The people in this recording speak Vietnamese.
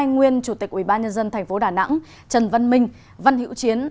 hai nguyên chủ tịch ubnd tp đà nẵng trần văn minh văn hiễu chiến